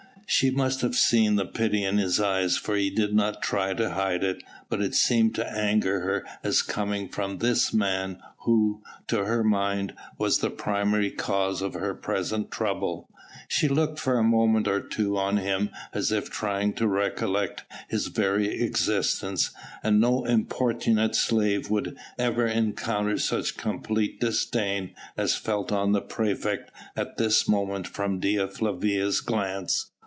She must have seen the pity in his eyes for he did not try to hide it, but it seemed to anger her as coming from this man who to her mind was the primary cause of her present trouble. She looked for a moment or two on him as if trying to recollect his very existence, and no importunate slave could ever encounter such complete disdain as fell on the praefect at this moment from Dea Flavia's glance.